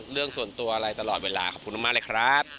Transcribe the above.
เรื่องส่วนตัวอะไรตลอดเวลาขอบคุณมากเลยครับ